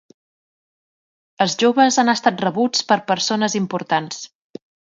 Els joves han estat rebuts per persones importants.